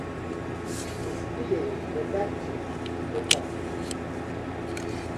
scuderie detetive le cocq